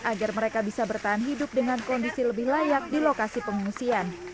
agar mereka bisa bertahan hidup dengan kondisi lebih layak di lokasi pengungsian